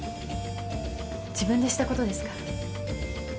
自分でしたことですから。